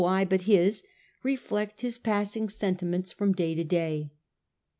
eye but his, reflect his passing sentiments from day to day.